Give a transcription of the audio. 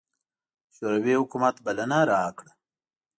شوروي حکومت بلنه راکړه.